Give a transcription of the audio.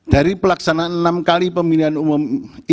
dari pelaksanaan enam kali pemilihan umum